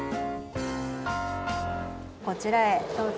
こちらへどうぞ。